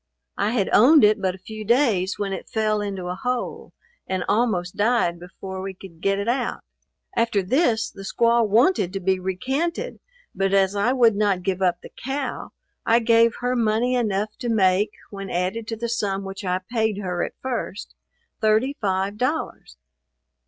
I had owned it but a few days when it fell into a hole, and almost died before we could get it out. After this, the squaw wanted to be recanted, but as I would not give up the cow, I gave her money enough to make, when added to the sum which I paid her at first, thirty five dollars.